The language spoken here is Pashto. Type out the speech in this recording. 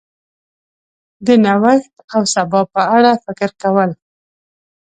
د نوښت او سبا په اړه فکر کول